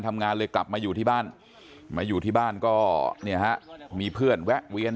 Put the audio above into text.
ทำงานเลยกลับมาอยู่ที่บ้านมาอยู่ที่บ้านก็เนี่ยฮะมีเพื่อนแวะเวียน